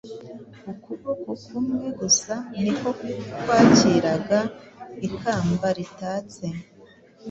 ukuboko kumwe gusa niko kwakiraga ikamba ritatse.